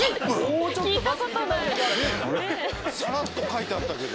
⁉さらっと書いてあったけど。